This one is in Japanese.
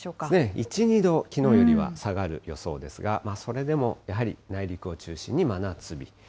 １、２度、きのうよりは下がる予想ですが、それでもやはり内陸を中心に真夏日。